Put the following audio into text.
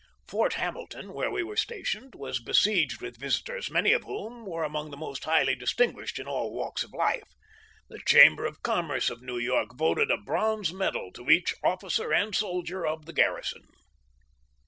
FROM MOULTRIE TO SUMTER. 49 Fort Hamilton, where we were stationed, was besieged with visitors, many of whom were among the most highly distinguished in all walks of life. The Chamber of Commerce of New York voted a bronze medal to each officer and soldier of the garrison.